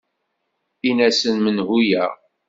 In-asen menhu-yaɣ.